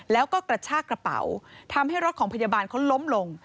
แล้วก็กระชากระเป๋าทำให้รถของพยาบาลเขาล้มลง